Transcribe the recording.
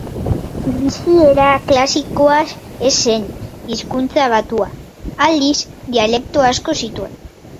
Greziera klasikoa ez zen hizkuntza batua, aldiz, dialekto asko zituen.